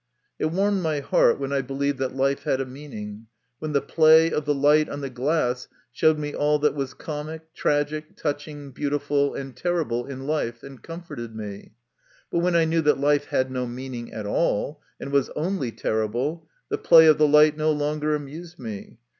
It warmed my heart when I believed that life had a meaning, when the play of the light on the glass showed me all that was comic, tragic, touching, beautiful, and terrible in life, and comforted me ; but when I knew that life had no meaning at all, and was only terrible, the play of the light no longer amused me.